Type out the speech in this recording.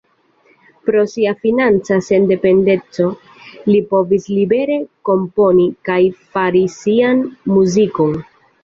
Pro sia financa sendependeco li povis libere komponi kaj fari sian muzikon.